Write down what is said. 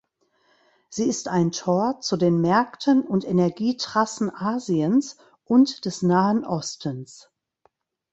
Sie ist ein Tor zu den Märkten und Energietrassen Asiens und des Nahen Ostens.